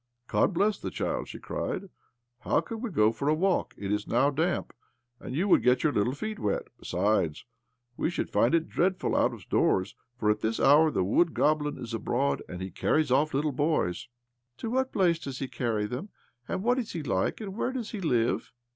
" God bless the child !" she cried. " How could we go for a walk? It is now damp, and you would get your little feet wet. Be sides, we should find it dreadful out of doors, for at this hour the wood goblin is abroad, and he carries off little boys." " To what place does he carry them, and what is he like, and where does he live?"